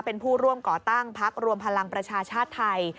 เป็นผู้ร่วมก่อตั้งพักรวมพลังประชาชาติไทย